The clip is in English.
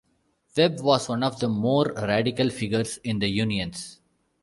Webb was one of the more radical figures in the unions.